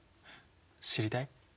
知りたい？